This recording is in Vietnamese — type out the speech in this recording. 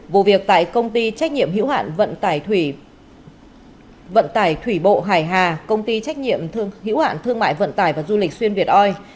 vụ việc tại công ty trách nhiệm hữu hạn vận tải thủy bộ hải hà công ty trách nhiệm hữu hạn thương mại vận tải và du lịch xuyên việt oi